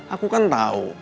aku kan tau